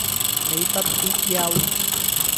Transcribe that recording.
你不必憂